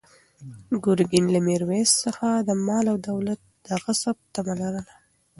ګرګین له میرویس څخه د مال او دولت د غصب طمع لرله.